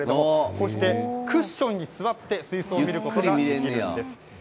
こうしてクッションに座って水槽を見ることができるんです。